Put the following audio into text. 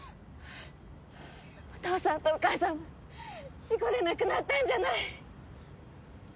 お父さんとお母さんは事故で亡くなったんじゃない。